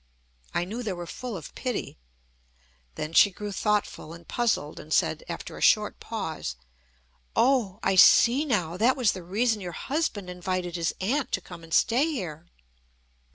I knew they were full of pity. Then she grew thoughtful and puzzled, and said, after a short pause: "Oh! I see now. That was the reason your husband invited his aunt to come and stay here."